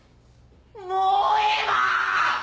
もうええわ‼